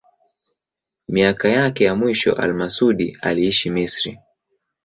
Miaka yake ya mwisho al-Masudi aliishi Misri.